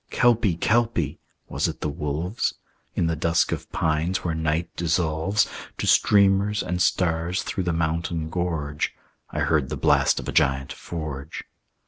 "Kelpie, Kelpie!" Was it the wolves? In the dusk of pines where night dissolves To streamers and stars through the mountain gorge, I heard the blast of a giant forge.